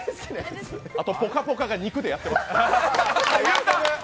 あと「ぽかぽか」が肉でやってます。